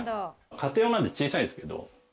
家庭用なんで小さいですけど。